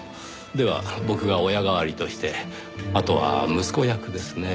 では僕が親代わりとしてあとは息子役ですねぇ。